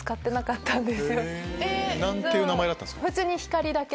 何ていう名前だったんですか？